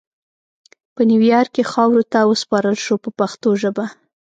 په نیویارک کې خاورو ته وسپارل شو په پښتو ژبه.